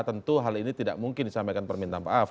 tentu hal ini tidak mungkin disampaikan permintaan maaf